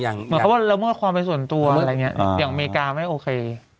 เหมือนมันอาจจะมีความเป็นส่วนตัวอย่างอเมริกามันไม่โอเค